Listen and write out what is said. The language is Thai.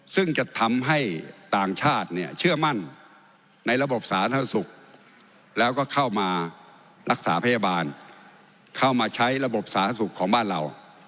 ซึ่งจะทำให้ต่างชาติเนี่ยเชื่อมั่นในระบบสาธารณสุขแล้วก็เข้ามารักษาพยาบาลเข้ามาใช้ระบบสาธารณสุขของบ้านเรา